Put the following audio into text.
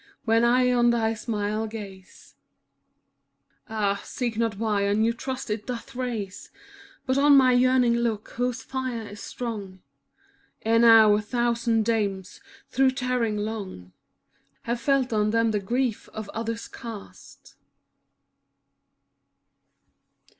When I on thy smile gaze, ^° Ah, seek not why a new trust it doth raise. But on my yearning look, whose fire is strong; Ere now a thousand dames, through tarrying long. Have felt on them the grief of others cast.